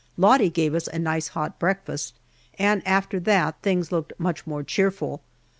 Lottie gave us a nice hot breakfast, and after that things looked much more cheerful.